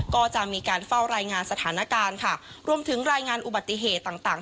ก็จะมีการเฝ้ารายงานสถานการณ์ค่ะรวมถึงรายงานอุบัติเหตุต่าง